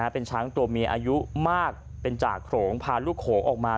เป็นช้างตัวเมียอายุมากเป็นจ่าโขลงพาลูกโขงออกมา